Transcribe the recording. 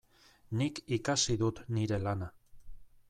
Nik ikasi dut nire lana.